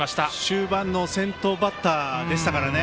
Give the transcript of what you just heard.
終盤の先頭バッターでしたからね。